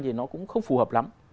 thì nó cũng không phù hợp lắm